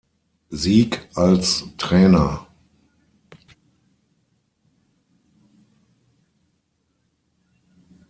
Sieg als Trainer.